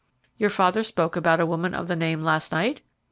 "Your father spoke about a woman of the name last night?"